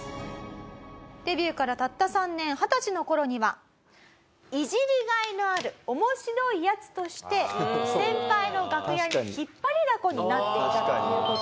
デビューからたった３年二十歳の頃にはいじりがいのある面白いヤツとして先輩の楽屋に引っ張りダコになっていたという事なんですよね。